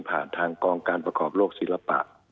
ผ่านทางกองการประคอบโรคศิลปะ